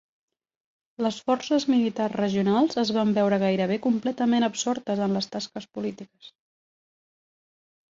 Les forces militars regionals es van veure gairebé completament absortes en les tasques polítiques.